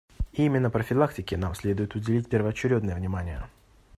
И именно профилактике нам следует уделить первоочередное внимание.